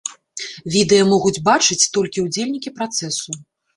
Відэа могуць бачыць толькі ўдзельнікі працэсу.